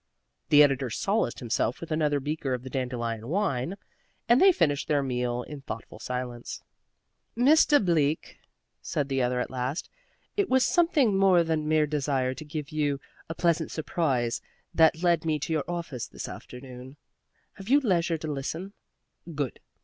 The editor solaced himself with another beaker of the dandelion wine and they finished their meal in thoughtful silence. "Mr. Bleak," said the other at last, "it was something more than mere desire to give you a pleasant surprise that led me to your office this afternoon. Have you leisure to listen? Good!